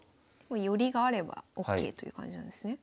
寄りがあればＯＫという感じなんですね。